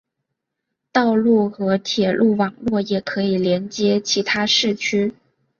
道路和铁路网络也可以连接其他市区。